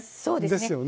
そうですね。